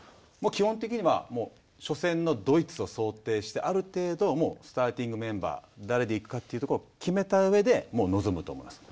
基本的には初戦のドイツを想定してある程度スターティングメンバー誰で行くかというところを決めたうえで臨むと思います。